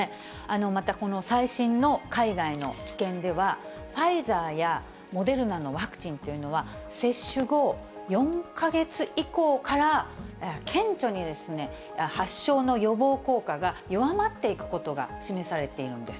また、この最新の海外の知見では、ファイザーやモデルナのワクチンというのは、接種後、４か月以降から顕著に発症の予防効果が弱まっていくことが示されているんです。